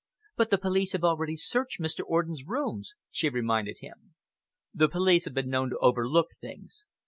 "But the police have already searched Mr. Orden's rooms," she reminded him. "The police have been known to overlook things.